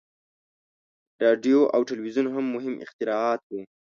• راډیو او تلویزیون هم مهم اختراعات وو.